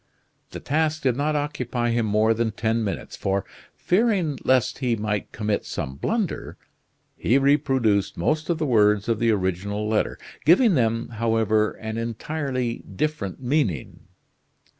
The task did not occupy him more than ten minutes, for, fearing lest he might commit some blunder, he reproduced most of the words of the original letter, giving them, however, an entirely different meaning.